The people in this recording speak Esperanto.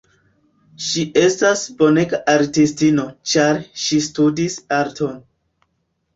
Ŝi estas bonega artistino ĉar ŝi studis arton.